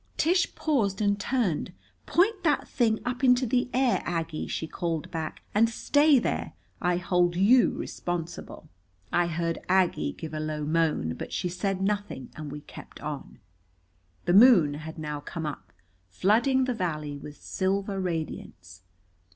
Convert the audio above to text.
Tish paused and turned. "Point that thing up into the air, Aggie," she called back. "And stay there. I hold you responsible." I heard Aggie give a low moan, but she said nothing, and we kept on. The moon had now come up, flooding the valley with silver radiance.